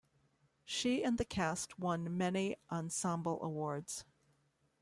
She and the cast won many ensemble awards.